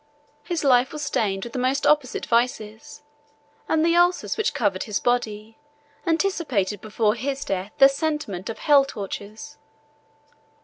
His life was stained with the most opposite vices, and the ulcers which covered his body, anticipated before his death the sentiment of hell tortures.